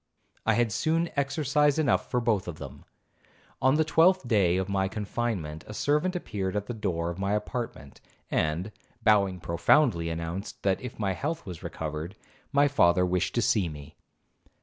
I had soon exercise enough for both of them. On the twelfth day of my confinement, a servant appeared at the door of my apartment, and, bowing profoundly, announced, that if my health was recovered, my father wished to see me.